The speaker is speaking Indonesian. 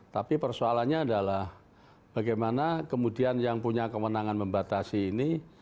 tapi persoalannya adalah bagaimana kemudian yang punya kewenangan membatasi ini